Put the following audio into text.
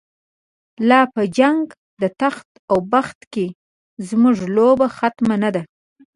لاپه جنګ دتخت اوبخت کی، زموږ لوبه ختمه نه ده